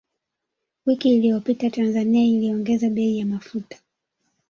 Wiki iliyopita Tanzania iliongeza bei ya mafuta